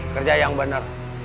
kerja yang benar